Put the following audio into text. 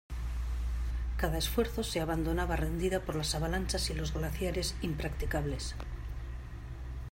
Cada esfuerzo se abandonaba rendida por las avalanchas y los glaciares impracticables.